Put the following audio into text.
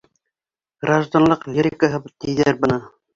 Гражданлыҡ лирикаһы тиҙәр быны.